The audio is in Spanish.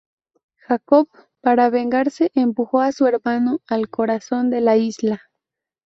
Jacob, para vengarse, empujó a su hermano al corazón de la isla.